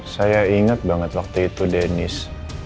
saya ingat banget waktu itu dennis